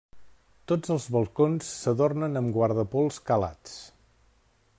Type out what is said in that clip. Tots els balcons s'adornen amb guardapols calats.